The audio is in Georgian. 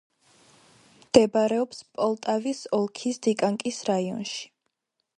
მდებარეობს პოლტავის ოლქის დიკანკის რაიონში.